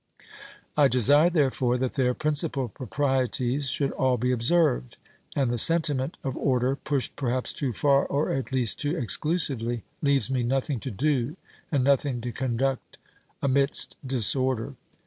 I desire, therefore, that their principal proprieties should all be observed; and the sentiment of order, pushed perhaps too far or at least too exclusively, leaves me nothing to do and nothing to conduct amidst disorder.